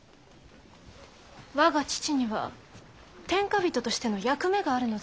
我が父には天下人としての役目があるのです。